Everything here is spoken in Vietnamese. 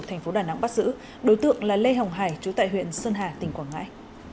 thành phố đà nẵng bắt giữ đối tượng là lê hồng hải chú tại huyện sơn hà tỉnh quảng ngãi